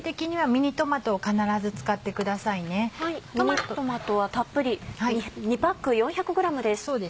ミニトマトはたっぷり２パック４００ｇです。